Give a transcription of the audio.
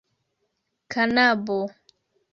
kanabo